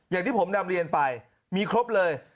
อย่างที่ผมนำเรียนไปมีครบเลย